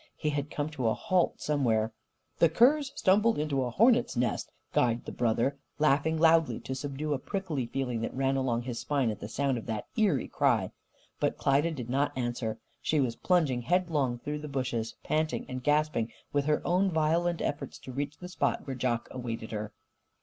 He had come to a halt somewhere. "The cur's stumbled into a hornets' nest," guyed the brother, laughing loudly to subdue a prickly feeling that ran along his spine at sound of that eerie cry. But Klyda did not answer. She was plunging headlong through the bushes, panting and gasping with her own violent efforts to reach the spot where Jock awaited her.